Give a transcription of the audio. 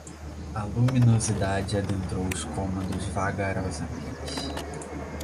A luminosidade adentrou os cômodos vagarosamente